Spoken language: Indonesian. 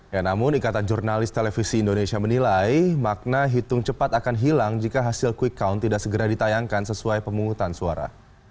ya namun ikatan jurnalis televisi indonesia menilai makna hitung cepat akan hilang jika hasil quick count tidak segera ditayangkan sesuai pemungutan suara